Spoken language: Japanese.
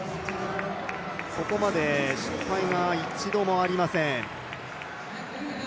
ここまで失敗は一度もありません。